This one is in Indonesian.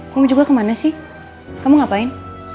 kamu juga kemana sih kamu ngapain